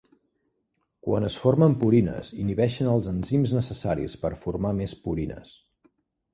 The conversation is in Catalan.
Quan es formen purines, inhibeixen els enzims necessaris per formar més purines.